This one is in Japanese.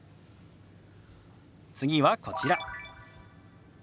次はこちら。